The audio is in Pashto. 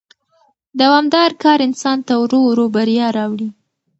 دوامدار کار انسان ته ورو ورو بریا راوړي